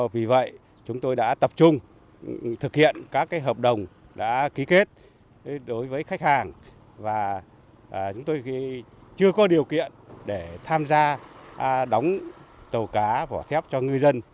vì vậy chúng tôi đã tập trung thực hiện các hợp đồng đã ký kết đối với khách hàng và chúng tôi chưa có điều kiện để tham gia đóng tàu cá vỏ thép cho ngư dân